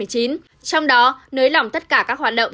trong đó nới lỏng tất cả các hoạt động